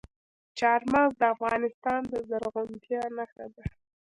چار مغز د افغانستان د زرغونتیا نښه ده.